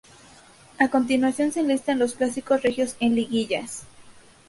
A continuación se enlistan los clásicos regios en liguillas.